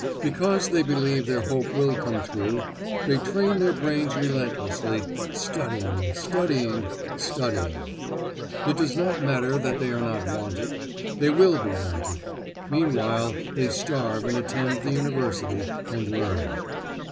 Because they believe their hope will come true, they train their brains relentlessly, studying, studying, studying. It does not matter that they are not wanted. They will be wanted. Meanwhile they starve and attend the University and learn.